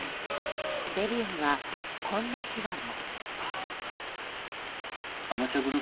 デビューには、こんな秘話も。